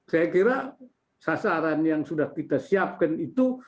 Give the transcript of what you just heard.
saya kira sasaran yang sudah kita siapkan itu